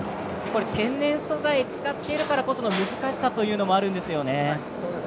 天然素材を使っているからこその難しさもあるんですね。